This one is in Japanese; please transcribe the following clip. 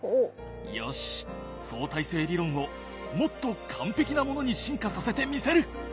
よし相対性理論をもっと完璧なものに進化させてみせる！